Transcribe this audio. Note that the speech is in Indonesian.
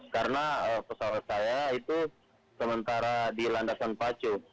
karena pesawat saya itu sementara di landasan pacu